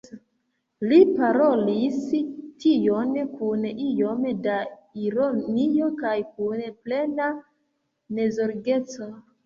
Li parolis tion kun iom da ironio kaj kun plena nezorgeco.